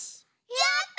やった！